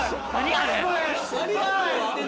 あれ。